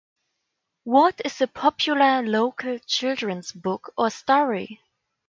What is a popular local children's' book or story?